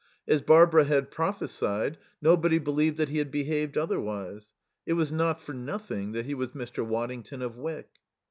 As Barbara had prophesied, nobody believed that he had behaved otherwise. It was not for nothing that he was Mr. Waddington of Wyck.